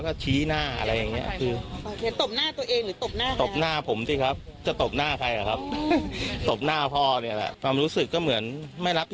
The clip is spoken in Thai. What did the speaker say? ก็เหมือนไม่รับประชาบอะไรอะครับ